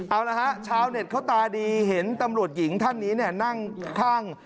เอาละฮะชาวเน็ตเขาตาดีเห็นตำรวจหญิงท่านนี้เนี่ยนั่งข้าง